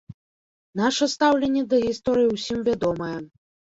Наша стаўленне да гісторыі ўсім вядомае.